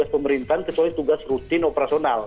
pemerintahan kecuali tugas rutin operasional